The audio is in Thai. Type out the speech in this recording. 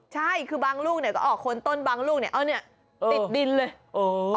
ใช่คือบางลูกก็ออกโคนต้นบางลูกเนี่ยติดดินเลย